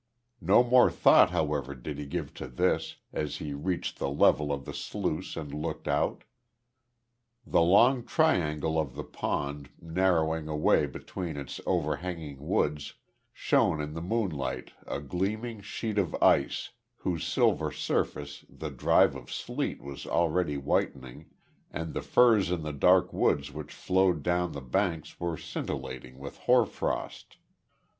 No more thought however did he give to this, as he reached the level of the sluice and looked out. The long triangle of the pond narrowing away between its overhanging woods, shone in the moonlight a gleaming sheet of ice, whose silver surface the drive of sleet was already whitening, and the firs in the dark woods which flowed down the banks were scintillating with hoarfrost.